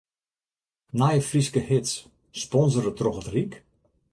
Nije Fryske hits, sponsore troch it Ryk?